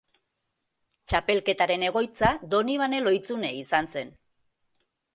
Txapelketaren egoitza Donibane Lohizune izan zen.